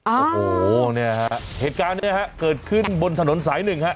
โอ้โหเนี่ยฮะเหตุการณ์นี้ฮะเกิดขึ้นบนถนนสายหนึ่งฮะ